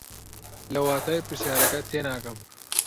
لە واتای پرسیارەکە تێناگەم.